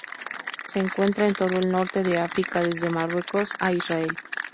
Se encuentra en todo el norte de África desde Marruecos a Israel.